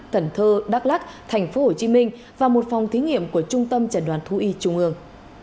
cần thơ đắk lắc tp hcm và một phòng thí nghiệm của trung tâm trần đoán thu y trung ương